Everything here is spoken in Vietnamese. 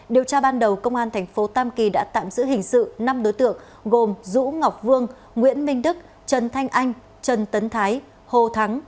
điều tra ban đầu công an thành phố tam kỳ đã tạm giữ hình sự năm đối tượng gồm dũ ngọc vương nguyễn minh đức trần thanh anh trần tấn thái hồ thắng